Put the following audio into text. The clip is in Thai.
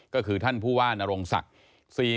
ก็คือท่านผู้ว่านรงศักดิ์